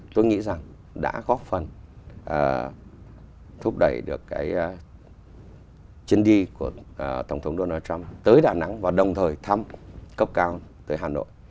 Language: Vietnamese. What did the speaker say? tôi nghĩ rằng đã góp phần thúc đẩy được cái chuyến đi của tổng thống donald trump tới đà nẵng và đồng thời thăm cấp cao tới hà nội